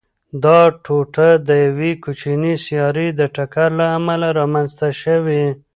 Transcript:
دا ټوټه د یوې کوچنۍ سیارې د ټکر له امله رامنځته شوې.